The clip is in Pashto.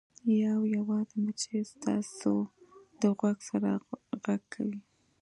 یو یوازې مچۍ ستاسو د غوږ سره غږ کوي